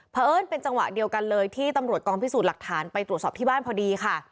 เพราะเอิ้นเป็นจังหวะเดียวกันเลยที่ตำรวจกองพิสูจน์หลักฐานไปตรวจสอบที่บ้านพอดีค่ะ